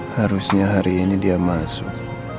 harusnya hari ini dia masuk